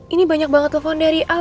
ini banyak banget telepon dari all